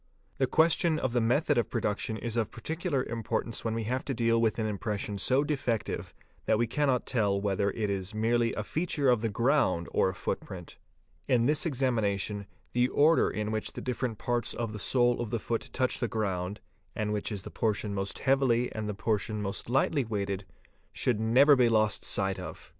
The question of the method of production is _ of particular importance when we have to deal with an impression so i Aah RD Ti A EFS A LS Ad A Ml BT wa PR AAO ALLO Se SN 582 FOOTPRINTS defective that we cannot tell whether it is merely a feature of the ground or a footprint. In this examination the order in which the different parts of the sole of the foot touch the ground, and which is the portion most heavily and the portion most lightly weighted, should never be lost sight of.